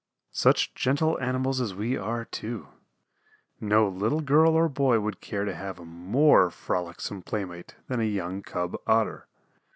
Such gentle animals as we are, too. No little girl or boy would care to have a more frolicsome playmate than a young cub Otter.